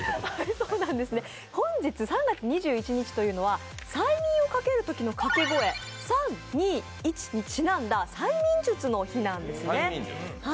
本日３月２１日というのは催眠をかけるときのかけ声、３・２・１にちなんだ催眠術の日なんですね。